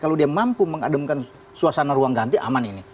kalau dia mampu mengademkan suasana ruang ganti aman ini